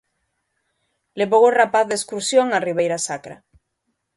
Levou o rapaz de excursión á Ribeira Sacra.